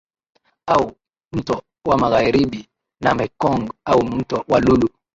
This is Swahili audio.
Au mto wa Magharibi na Mekong au mto wa Lulu